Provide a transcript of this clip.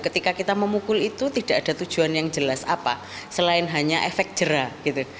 ketika kita memukul itu tidak ada tujuan yang jelas apa selain hanya efek jerah gitu